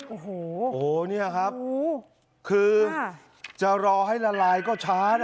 โอ้โหโอ้โหเนี้ยครับโอ้คือจะรอให้ละลายก็ช้านะ